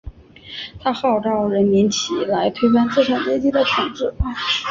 他号召人民起来推翻资产阶级的统治。